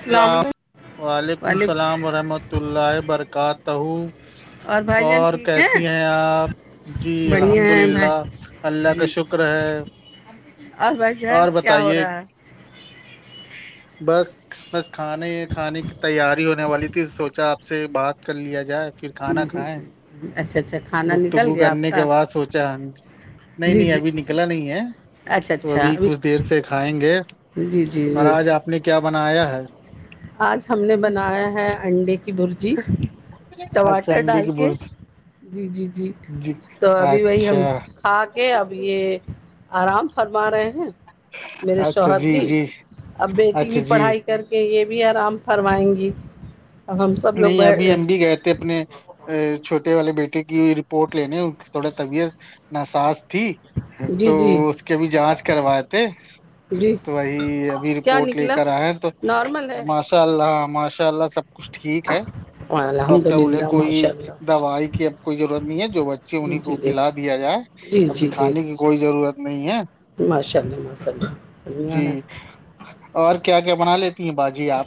السلام و علیکم وعلیکم السلام ورحمۃ اللہ برکاتہ ہو بھائی جان اور ٹھیک کیسی ہیں آپ جی بڑھیا الحمد ہیں للہ بھائی اللہ کا جی شکر ہے اور بائی جان اور کیا ہو بتائیے رہا ہے بس بس کھانے کھانے کی تیاری ہونے والی تھی سوچا آپ سے بات کر لیا جائے پھر جی کھانا جی کھائائے اچھا اچھا کھانا نکل گفتگو گیا آپ کرنے کے کا بعد سوچا نہیں جی نہیں جی ابھی نکلا نہیں ہے اچھا تو اچھا ابھی کچھ دیر سے کھائیں گے جی جی اور جی آج آپ نے کیا بنایا ہے آج ہم نے بنایا ہے انڈے کے کی برجی اچھا ٹماٹر انڈی ڈال کی کے برج جی جی جی تو ابھی وہی اچھا ہم کھا کہ اب یہ آرام فرما رہے ہیں میرے شوہر جی اب بیٹی اچھا بھی جی پڑھائی کر کے یہ بھی آرام فروائیں گی اب ہم سب لوگ نہیں ابھی ہم بھی بیٹھ گئے تھے اپنے چھوٹے والے بیٹے کی رپورٹ لینے ان کی تھوڑا طبیعت ناسااز تھی جی تو جی اس کے بھی جانچ کرواتے جی تو وہی ابھی کیا رپورٹ لے نکلا کر آئے تو نارمل ہے ماشاء اللہ ماشاء اللہ سب کچھ ٹھیک ہے ا الحمد ڈاکٹر بولے للہ کوئی ماشاء اللہ دوائی کی اب کوئی ضرورت نہیں ہے جو بچے جی انہیں کو جی جی کھلا دیا جائے جی اب جی جی دکھانے کی کوئی ضرورت نہیں ہے ماشاء ال ماشاء بیا جی ہے اور کیا کیا بنا لیتی ہیں باجی آپ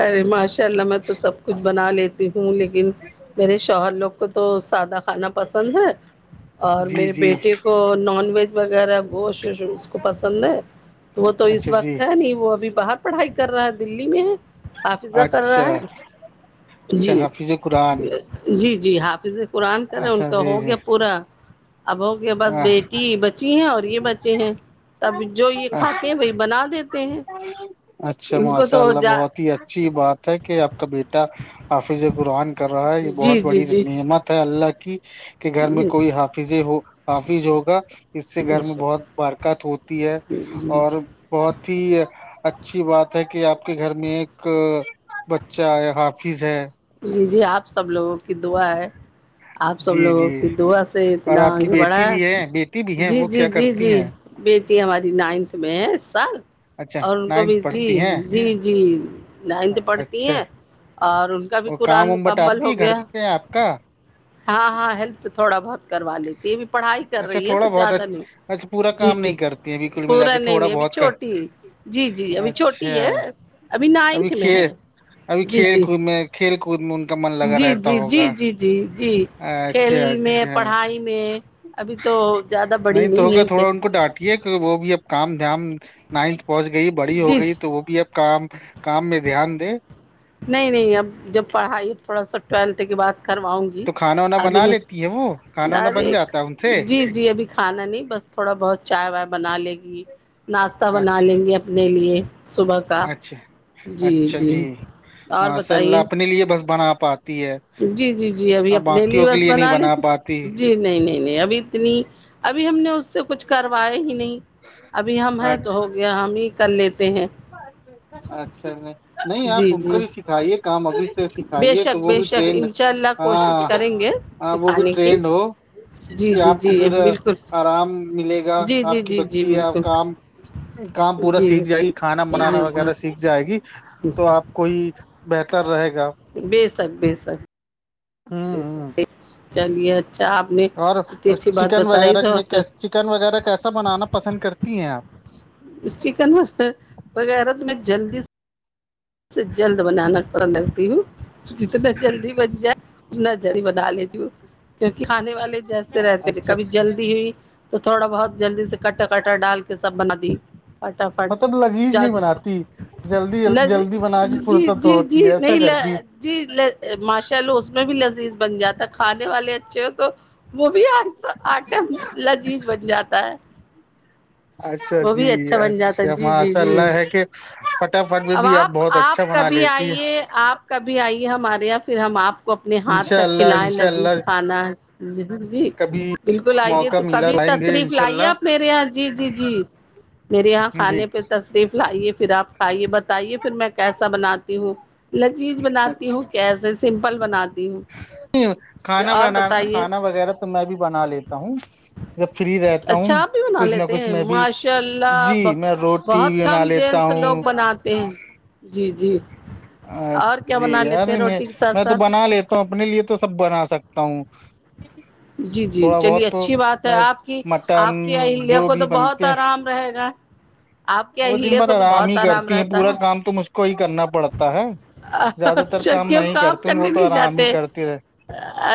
ارے ماشاء اللہ میں تو سب کچھ بنا لیتی ہوں لیکن میرے شوہر لوگ کو تو سادہ کھانا پسند ہے اور جی میرے جی بیٹے کو نان ویج وغیرہ وہ اس کو پسند ہے وہ تو اس اچھا جی وقت ہے نہیں وہ ابھی باہر پڑھائی کر رہا تھا دلی میں ہے حافظہ کر اچھا رہا ہے اچھا جی حافظ قرآن جی جی حافظ قرآن کریں ان اچھا کا جی ہو گیا جی پورا اب ہو بس بیٹی ب بچی ہیں اور یہ بچے ہیں تب جو یہ کھاتے ہیں وہی بنا دیتے ہیں اچھا ان کو ماشاء تو اللہ جا بہت اچھی بات ہے کہ آپ کا بیٹا حافظ قرآن کر رہا ہے یہ جی بہت جی بڑی جی نعمت اللہ کی کہ گھر میں بے کوئی شک حافظ ہو حافظ ہوگا اس سے گھر میں بہت برکات ہوتی ہے ج جی اور بہت ہی ہے اچھی بات ہے کہ آپ کے گھر میں ایک بچہ حافظ ہے جی جی آپ سب لوگوں کی دعا ہے آپ سب جی لوگوں جی پھر دعا سے اور اتنا آپ کی آگے بڑھا بیٹی ہے بھی بیٹی بھی ہے جی وہ جی کیا جی کرتی جی ہیں بیٹی ہماری نائنتھ میں ہے سال اچھا اور ان کو بھی نائنتھ جی پڑھتی ہیں جی جی نائنتھ پڑھتی اچھا ہیں اور ان کا بھی وہ کام قرآن وم مکمل بٹاتی ہے ہو گھر گیا پہ آپ کا ہاں ہاں ہیلپ تھوڑا بہت کروا لیتی ہے پڑھائی کر اچھا رہی ہے تو تھوڑا بہت زیادہ نہیں اچھا اچھا پورا جی کام جی نہیں کرتی ہیں بالکل ملا پورا کے نہیں تھوڑا نہیں ابھی بہت کر چھوٹی ہے جی جی ابھی اچھا چھوٹی ہے ابھی نائنتھ میں ہے ابھی جی کھیل جی کود میں کھیل کود میں کا من لگا جی رہتا جی جی ہوگا جی جی جی کھیل اچھا میں اچھا پڑھائی میں ابھی تو زیادہ بڑی تو نہیں ہوگا ہے کہ تھوڑا ان کو کہ وہ بھی اب کام دام نائنتھ پہنچ گئی بڑی ہو جی گئی جی تو وہ بھی اب کام کام میں دھیان دے نہیں نہیں اب جب پڑھائی اب تھوڑا سا ٹویلتھ کی بات کرواؤں گی تو کھانا وانا ابھی بنا لیتی نہیں ہے وہ کھانا وا بن ارے جاتا ہے ان سے جی جی ابھی کھانا نہیں بس تھوڑا بہت چائے وائے بنا لے گی ناشتہ بنا اچھا لیں گے اپنے لیے صبح کا اچھا اچھا جی اور ماشاء اللہ بتائیے اپنے لیے بس بنا پاتی ہے جی جی جی ابھی اب اپنے لیے باقیوں کے بس نہیں بنا لیتی پاتی جی نہیں نہیں نہیں ابھی اتنی ابھی ہم نے اس سے کچھ کروائے ہی نہیں ابھی ہم ہیں اچھا تو ہو گیا ہم ہی کر لیتے ہیں اچھا نہیں نہیں آپ جی ان جی کو بھی سکھائیے کام ابھی سے بے سکھائیے تو شک وہ بے بھی شک ٹرینڈ انشاء اللہ کوشش ہاں کریں گے ہاں وہ بھی سکھانے کی ٹرینڈ ہو جی کہ جی آپ کو جی پھر بالکل آرام ملے گا جی جی آپ کی جی جی بچی یا بالکل کام کام پورا جی سیکھ جائیے کھانا بنانا جی جی وغیرہ سیکھ جائے گی تو آپ کو ہی بہتر رہے گا بے سک بیے سک ہوں ہ چلیے اچھا آپ نے اور اتنی اچھی بات چکن بتائی وغیرہ تو میں چکن وغیرہ کیسا بنانا پسند کرتی ہیں آپ چکن وغیرہ تم جلدی سے اس سے جلد بنانا پر لگتی ہوں جتنا جلدی بن جائے اتنا جر ہی بنا لیتی ہوں کیونکہ کھے والے جیسے رہتے تھے اچھا کبھی جلد ہوئی تو تھوڑا بہت جلدی سے کٹا کٹر ڈال کے سب بنا دی فٹافٹ مطلب لذیذ نہیں بناتی جلدی لذ جلدی بنا کے جی پرصت جی جی ہوتی ہے ایسا نہیں کرتی جی ماشاء اللہ اس میں بھی لذیذ بن جاتا ہے کھانے والے اچھے ہو تو وہ بھی آرٹم لذیذ بن جاتا ہے اچھا وہ جی بھی بن جاتا ہے اچھا جی جی ماشاء جی اللہ ہے کہ فٹافٹ میں بھی آپ بہت اچھا آپ بنا کبھی لیتی ہے آئیے آپ کبھی آئیے ہمارے یہاں پھر ہم آپ کو اپنے ہاتھ انشاء کا اللہ کھلائائےیں انشاء لذیذ اللہ کھانا جی کبھی بالکل آئیے موقع تو ملا کبھی لائیں گے تشریف انشاء لائیے اللہ آپ میرے یہاں جی جی جی میرے یہاں جی کھانے پہ تشریف لائیے پھر آپ کھائیے بس بتے پھر میں کیسا بناتی ہوں لذیذ بناتی ہوں اچھا کیسے سمپل بناتی ہوں کھانا اور بناان بتائیے کھانا وغیرہ تو میں بھی بنا لیتا ہوں جب فری رہتا اچھا ہوں آپ بھی بنا کچھ نہ لیتے کچھ ہیں میں بھی معاش شاء اللہ جی میں روٹی بہت بھی بنا کم لیتا جینس لوگ ہوں بناتے ہیں جی جی اچھ اور کیا جی بنا یار لیتے ہیں نہیں میں روٹی کے ساتھ میں تو ساتھ بنا لیتا تو اپنے لیے تو سب بنا سکتا ہوں جی جی تھوڑا چلیے بہت تو اچھی بات ہے میں آپ کی مٹن آپ کی اہلیہ جو کو تو بھی بہت بنتے آرام [unintelligible] آپ کے وہ دن اہلیہ بھر کو تو آرام بہت ہی کرتی ہیں رہتا پورا ہے کام تو مجھ کو ہی کرنا پڑتا ہے زیادہ تر اچھا کام کیوں نہیں کرتی ہ وہ کرنے تو نہیں آرام ہی جاتے کرتی رہے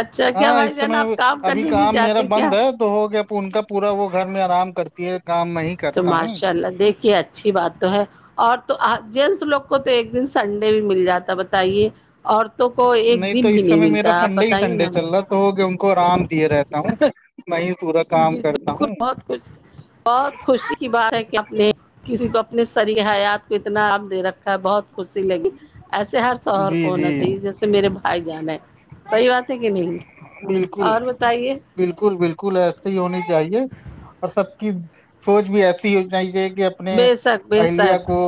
اچھا کیا ہاں بھائی اس جان سمے آپ کام ابھی کرنے نہیں کام میرا جاتے کیا بند ہے تو ہو گیا ان کا پورا وہ گھر میں آرام کرتی ہے کام میں ہی تو کرتا ہوں ماشاء اللہ دیکھیے اچھا اچھی بات تو ہے اور تو جینس لوگ کو تو ایک دن سنڈے بھی مل جاتا بتائیے عورتوں کو ایک تو دن بھی اس نہیں سمے میرا ملتا آپ سنڈے ہی بتائیے سنڈے نا چل رہا تو ہو کہ ان کو آرام دے رہتا ہوں نہیں توا جی جی بالکل بہت خوش بہت خوشی کی بات ہے کہ اپنے کسی کو اپنے سریح حیات کو اتنا آام دے رکھا ہے بہت خوشی لگی ایسے ہر شوہر جی کو جی ہونا چاہیے جیسے میرے بھائی جانا ہے صحیح بات ہے کہ نہیں بالکل اور بتائیے بالکل بالکل ایسے ہی ہونی چاہیے اور سب کی سوچ بھی ایسی ہو چاہی کہ اپنے بے شک بے اہلیہ شک کو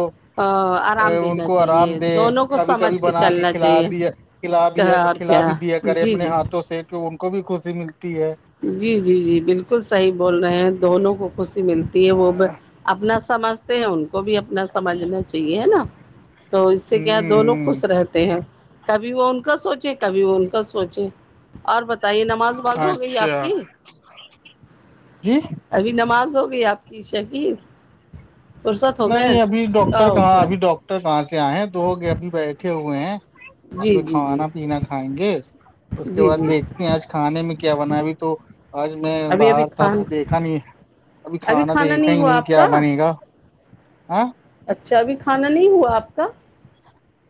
آرام ان دینا کو آرام چاہیے دے دونوں کو کبھی سمجھ کبھی بنا کے چلنا کھلا چاہیے دیا کلایا کیا اور کلا کیا بھی دیا کرے جی اپنے جی ہاتھوں سے کہ ان کو بھی خوشی ملتی ہے جی جی جی بالکل صحیح بول رہے ہیں دونوں کو خوشی ملتی ہے وہ اپنا سمجھتے ہیں ان کو بھی اپنا سمجھنا چاہیے ہے نا تو اس سے کیا دونوں ہوں خوش رہتے ہیں کبھی وہ ان کا سوچے کبھی وہ ان کا سوچے اور بتائیے نماز وماز ہو گئی آپ اچھا کی جی ابھی نماز ہو گئی آپ کی شکییر نہیں ابھی ڈاکٹر ہو کہاں گیا ابھی ڈاکٹر کہاں سے آئے ہیں دوگ اب بیٹھے ہوئے ہیں ا جی جی جی کھانا پینا کھائیں گے اس کے جی بعد جی دیکھ نے آج کھانے میں کیا بنا ہو تو آج میں ابھی ابھی باہر تھا تو کھان دیکھا نہیں ابھی کھانا دیکھا ہی نہیں کیا بنے گا ہاں اچھا ابھی کھانا نہیں ہوا آپ کا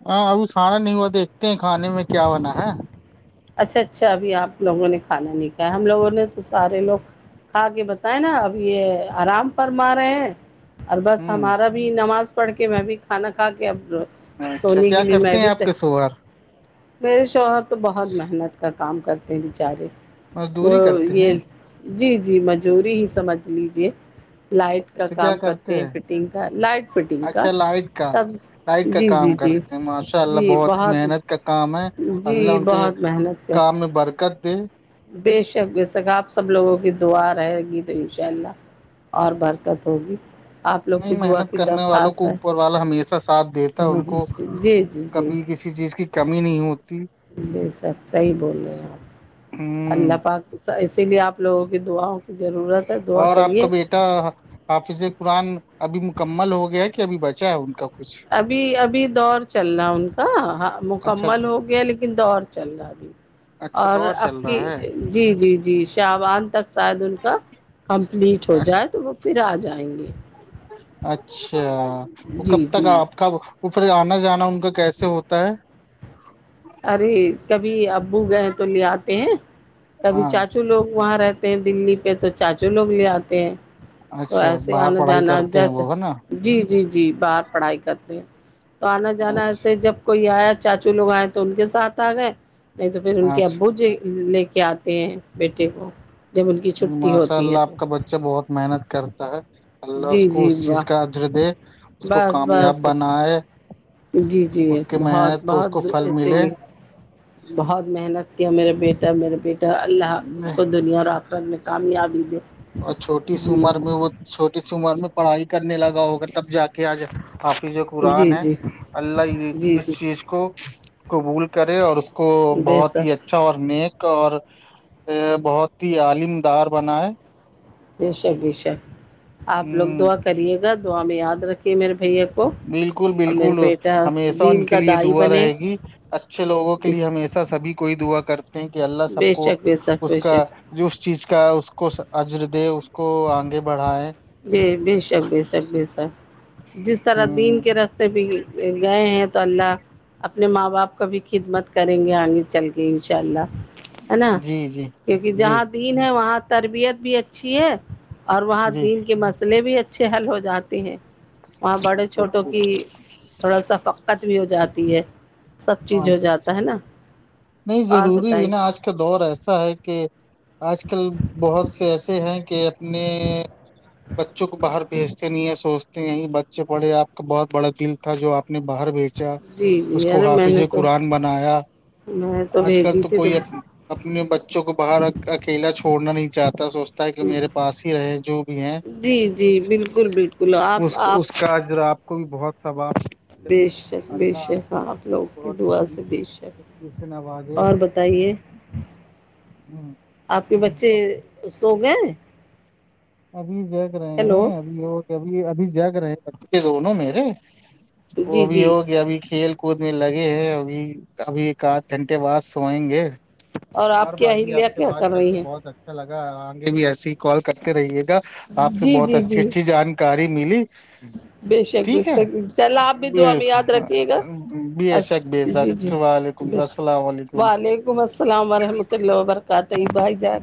ہاں ابھی کھانا نہیں ہوا دیکھتے ہیں کھانے میں کیا ہونا ہے اچھا اچھا ابھی آپ لوگوں نے کھانا نہیں کھایا ہم لوگوں نے تو سارے لوگ آگے بتائے نا اب یہ آرام پر مار رہے ہیں اور بس ہوں ہمارا بھی نماز پڑھ کے میں بھی کھانا کھا کے اب اچھا سونے کیا کے لیے کرتے میں ہیں بھی آپ ہے کے سوہر میرے شوہر تو بہت محنت کا کام کرتے ہیں بچارے وہ مزدوری کرتے ہیں یہ جی جی مجوری ہی سمجھ لیجے لائٹ کا کام کرتے ہیں فٹنگ کا لائٹ فٹنگ کا تب نائٹ کا جی جی کام جی کرتے ہیں ماشاء اللہ بہت ہی محنت کا کام ہے اللہ جی ان کے بہت محنت کر کام میں برکت دے بے شک بے شک آپ سب لوگوں کی دعا رہے گی تو انشاء اللہ اور برکت ہوگی آپ لوگ اتنی کی دعا محنت کی کرنے والوں کو درخواست ہے اوپر والا ہمیشہ ساتھ دیتا ہے ان کو جی جی کبھی کسی کسی چیز کی کمی نہیں ہوتی ج سب صحیح بول رہے ہیں آپ ہ اللہ پاک اسی لیے آپ لوگوں کی دعا کی ضرورت ہے اور آپ کا کریے بھی حافظ قرآن ابھی مکمل ہو گیا کہ ابھی بچا ہے ان کا کچھ ابھی ابھی دور چل رہا ہے ان کا اچھا مکمل ہو گیا لیکن دور چل رہا ابھی اچھا اور دور چل آپ کی رہا ہے جی جی جی شوان تک شاید ان کا کمپلیٹ ہو جائے تو وہ پھر آ جائیں گے اچھا وہ کب جی تک جی آپ کاب وہ پھر آنا جانا ان کا کیسے ہوتا ہے ارے کبھی ابو گئے تو لے آتے ہیں کبھی ہاں چاچو چچو لوگ وہاں رہتے ہیں دلی پہ تو چاچو لوگ لے آتے ہیں تو اچھا ایسے ہی باہر آنا پڑھائی جانا کرتے ہیں جیسے وہ ہے نا جی جی جی باہر پڑھائی کرتے ہیں تو آنا جانا ایسے اچھا جب کوئی آیا چاچو لوگ آئے تو ان کے ساتھ آ گئے نہیں تو پھر ان کے ابو اچھا ج لے کے آتے ہیں بیٹے کو جب ان کی چھٹی ہوتی ہے تو ا بہت محنت کرتا ہے اللہ اس جی کو جی اس چیز واہ کا عدر دے اس کو بس کامیاب بس بنائے جی جی اس کی بہت محنت کو اس بہت کو پھل ایے ملے لی بہت محنت کیا میرے بیٹا میرے بیٹا تو اللہ اس کو دنیا اور آخرت میں کامیابی دے اور چھوٹی سی جی عمر میں وہ چھوٹی سی عمر میں پڑھائی کرنے لگا ہوگا تب جا کے آج آپ جو قرآن جی ہے جی اللہ جی اس جی چیز کو قبول کرے اور اس کو بے بہت ہی شک اچھا اور نیک اور بہت ہی عالم دار بنا ہے بے شک بے شک آپ لوگ ہ دعا کریے گا دعا میں یاد رکھیے میرے بھیا کو بالکل اور میرے بالکل بیٹا ہمیشہ ان دین کے کا لیے دائی دعا بنے رہے گی اچھے لوگوں کے لیے ہممیسا سبھی کوئی دعا کرتے ہیں کہ اللہ سب بے کو شک بے شک اس بے کا شک جو اس چیز کا اس کو عجر دے اس کو آگے بڑھائے بے بے شک بے شک بے شک جس طرح دین ہ کے رس بھی گئے ہیں تو اللہ اپنے ماں باپ کا بھی خدمت کریں گے آگے چل کے انشاء اللہ ہے نا جی جی کیونکہ جی جہاں دین ہے وہاں تربیت بھی اچھی ہے اور وہاں جی دین کے مسئلے بھی اچھ اچھے حل ہو جاتے ہیں وہاں بڑے چھوٹوں کی تھوڑا سا فقت بھی ہو جاتی ہے سب چیز ہو اچھا جاتا ہے نا نہیں اور ضروری بھی بتائی نا آج کا دور ایسا ہے کہ آج کل بہت سے ایسے ہیں کہ اپنے بچوں کو باہر بھیج نہیں یہ سوچتے ہیں بچے پڑے آپ کا بہت بڑا دل تھا جو آپ نے باہر بھیج اا جی اس جی کو ارے میں حافظ نے تو قرآن بنایا میں آج کل بھیجی تو تھی کوئی اپنے بچوں کو باہر اکیلا چھوڑنا نہیں چاہتا سوچتا کہ جی میرے پاس ہی رہے جو بھی ہیں جی جی بالکل بالکل آپ اس کو آپ اس کا جو آپ کو بھی بہت سثباب بے شک بے شک ہاںپ لوگ کی دعا سے بے شک کتنا بازے اور بتائیے ہوں آپ کے بچے سو گئے ابھی زیک رہے ہیں [unintelligible] ہیلو ہوگ اب ابھی جگ رہے بے دونوں میرے وہ جی بھی جی ہوگ ابھی کھیل کود میں لگے ہیں ابھی ابھی ایک آدھ گھنٹے بعد سوئیں گے اور آپ کیا باجی آپ ہلیہ سے کیا کر بات رہی کے ہیں بہت اچھا لگا آگے بھی ایسے ہی کال کرتے رہیے گا آپ سے جی بہت جی اچھی جی اچھی جانکاری ملی ہ بے [inaudible] شک بے ٹھیک ہے شک چلا آپ بھی ب دعا میں یاد ہ رکھیے گا بے شک بے جی جی شک السلام علیکم حلیکم السلام ورحمۃ اللہ وبرکاتہ بھائی جان